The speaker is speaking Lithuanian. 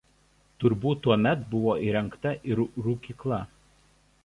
Turbūt tuomet buvo įrengta ir rūkykla.